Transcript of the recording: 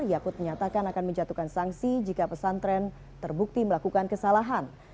yakut menyatakan akan menjatuhkan sanksi jika pesantren terbukti melakukan kesalahan